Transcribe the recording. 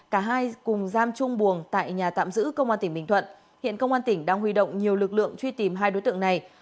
cả hai cùng giam chung buồng tại nhà tạm giữ công an tỉnh bình thuận hiện công an tỉnh đang huy động nhiều lực lượng truy tìm hai đối tượng này